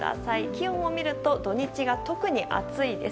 気温を見ると土日が特に暑いです。